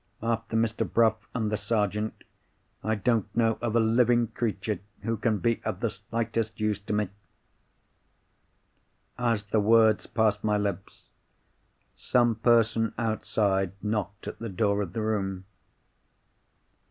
After Mr. Bruff and the Sergeant, I don't know of a living creature who can be of the slightest use to me." As the words passed my lips, some person outside knocked at the door of the room.